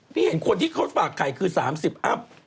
เห็นคนที่เขาฝากไข่คือ๓๐อัพ